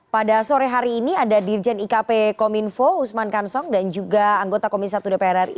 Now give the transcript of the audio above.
pada sore hari ini ada dirjen ikp kominfo usman kansong dan juga anggota komisi satu dpr ri